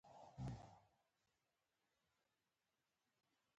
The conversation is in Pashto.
د دې لویې وچې اصلي اوسیدونکي سره پوستکي دي.